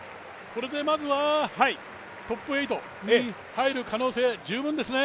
これでまずはトップ８に入る可能性十分ですね。